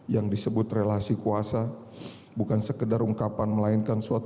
yang disebut relasi kuasa